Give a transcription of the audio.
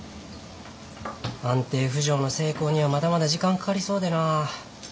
安定浮上の成功にはまだまだ時間かかりそうでな。